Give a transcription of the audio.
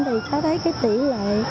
thì có thấy cái tỷ lệ